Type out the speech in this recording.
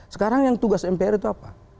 sekarang yang tugas mpr itu apa